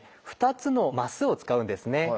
２つのマスを使うんですね。